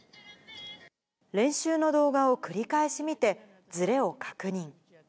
練習の動画を繰り返し見て、ずれを確認。